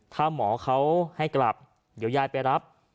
ถ้าหมอเขาให้กลับเดี๋ยวยายไปรับ